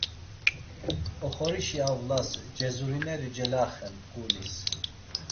Oxorişi avlas cezurineri celaxen ǩulis.